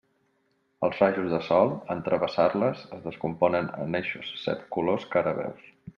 Els rajos de sol, en travessar-les, es descomponen en eixos set colors que ara veus.